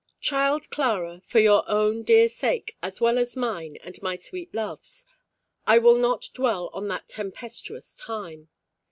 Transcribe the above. Child Clara, for your own dear sake, as well as mine and my sweet love's, I will not dwell on that tempestuous time.